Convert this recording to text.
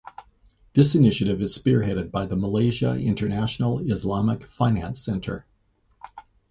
This initiative is spearheaded by the Malaysia International Islamic Finance Centre.